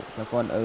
cho con ừ